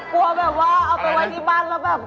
กลัวแบบว่าเอาไปไว้ที่บ้านแล้วแบบ